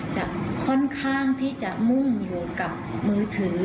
ค่อนข้างที่จะมุ่งอยู่กับมือถือ